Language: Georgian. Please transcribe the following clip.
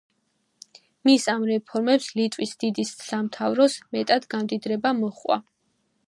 მის ამ რეფორმებს ლიტვის დიდი სამთავროს მეტად გამდიდრება მოჰყვა.